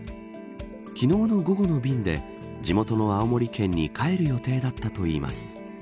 昨日の午後の便で地元の青森県に帰る予定だったといいます。